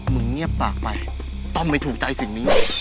เงียบปากไปต้อมไม่ถูกใจสิ่งนี้